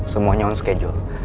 semuanya on schedule